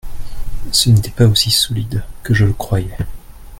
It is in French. Ce n'était pas aussi solide que je le croyais.